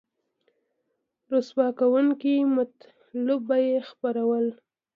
رسوا کوونکي مطالب به یې خپرول